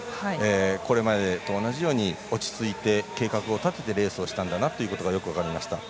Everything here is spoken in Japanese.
これまでと同じように落ち着いて計画を立ててレースをしたんだなということがよく分かりました。